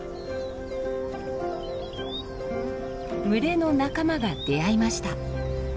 群れの仲間が出会いました。